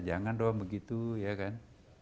jangan dong begitu ya kan